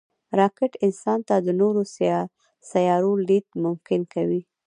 راکټ انسان ته د نورو سیارو لید ممکن کوي